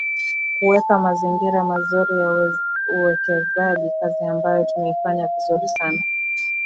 Kuweka mazingira mazuri ya uwekezaji kazi ambayo tumeifanya vizuri sana